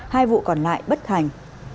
hai vụ còn lại bất hành